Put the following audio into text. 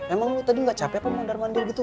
emang lu tadi gak capek apa mondar mandir gitu